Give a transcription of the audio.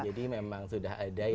jadi memang sudah ada yang